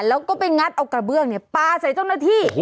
แล้วก็ไปงัดเอากระเบื้องปลาใส่เจ้าหน้าที่